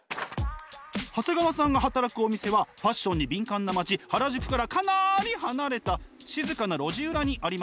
長谷川さんが働くお店はファッションに敏感な町原宿からかなり離れた静かな路地裏にありました。